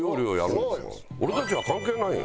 俺たちは関係ないよ。